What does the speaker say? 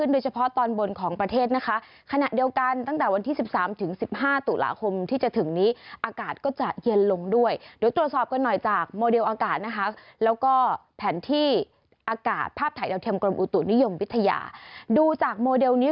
โดยอากาศนะครับแล้วก็แผนที่อากาศภาพไถ